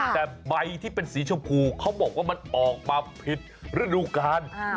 แต่ใบที่เป็นสีชมพูเขาบอกว่ามันออกมาผิดฤดูกาล